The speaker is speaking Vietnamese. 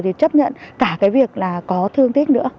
thì chấp nhận cả cái việc là có thương tích nữa